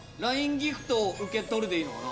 ギフトを受け取る」でいいのかな